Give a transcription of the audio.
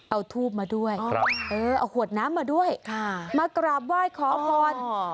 เอาทูบมาด้วยเอาขวดน้ำมาด้วยมากราบไหว้ขอพร